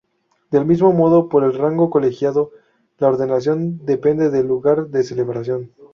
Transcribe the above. Del mismo modo, por el rango colegiado la ordenación depende del lugar de celebración.